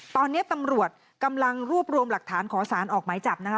ตอนนี้ตำรวจกำลังรวบรวมหลักฐานขอสารออกหมายจับนะคะ